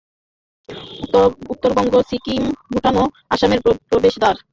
উত্তরবঙ্গ, সিকিম, ভুটান ও আসামের প্রবেশদ্বার হিসাবে শিলিগুড়ি গুরুত্ব পেয়েছিল।